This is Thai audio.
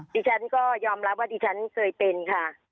ดิฉันก็ยอมรับว่าดิฉันเคยเป็นค่ะ